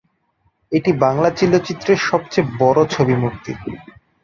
এটিই বাংলা চলচ্চিত্রের সবচেয়ে বড়ো ছবি মুক্তি।